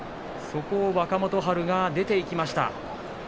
そこを若元春が出ていきました。